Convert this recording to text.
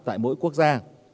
tại mỗi quốc gia